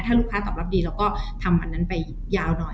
ถ้าลูกค้าตอบรับดีเราก็ทำอันนั้นไปยาวหน่อย